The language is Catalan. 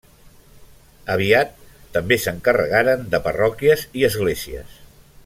Aviat, també s'encarregaren de parròquies i esglésies.